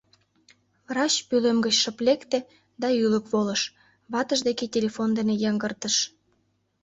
Врач пӧлем гыч шып лекте да ӱлык волыш, ватыж деке телефон дене йыҥгыртыш.